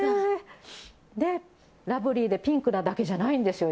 ラブリーでピンクなだけじゃないんですよ。